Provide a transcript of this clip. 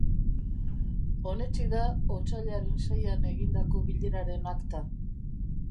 Onetsi da otsailaren seian egindako bileraren akta.